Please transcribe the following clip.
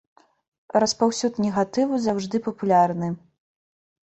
Распаўсюд негатыву заўжды папулярны.